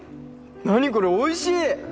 何これおいしい！